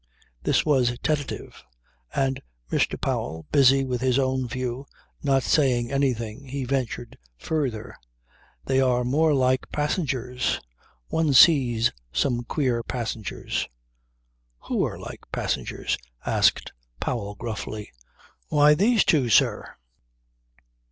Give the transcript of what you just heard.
This was tentative, and Mr. Powell, busy with his own view, not saying anything, he ventured further. "They are more like passengers. One sees some queer passengers." "Who are like passengers?" asked Powell gruffly. "Why, these two, sir."